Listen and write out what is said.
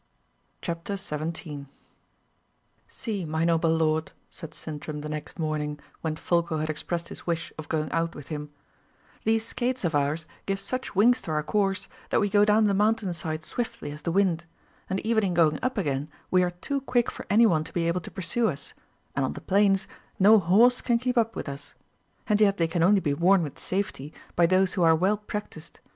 CHAPTER 17 "See, my noble lord," said Sintram the next morning, when Folko had expressed his wish of going out with him, "these skates of ours give such wings to our course, that we go down the mountain side swiftly as the wind; and even in going up again we are too quick for any one to be able to pursue us, and on the plains no horse can keep up with us; and yet they can only be worn with safety by those who are well practised.